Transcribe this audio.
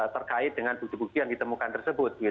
terkait dengan bukti bukti yang ditemukan tersebut